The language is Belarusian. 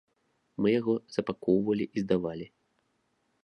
Мы яго запакоўвалі і здавалі.